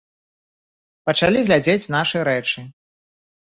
Пачалі глядзець нашы рэчы.